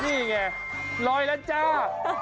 นี่ไงลอยแล้วจ้า